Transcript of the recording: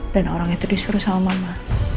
dan orang itu disuruh sama mama